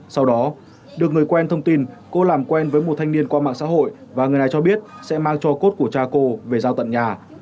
sau đó được người quen thông tin cô làm quen với một thanh niên qua mạng xã hội và người này cho biết sẽ mang cho cốt của cha cô về giao tận nhà